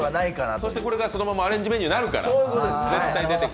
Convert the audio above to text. そしてこれがそのままアレンジメニューになるから。